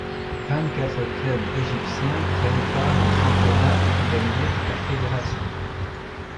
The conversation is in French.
Vingt-quatre clubs égyptiens prennent part au championnat organisé par la fédération.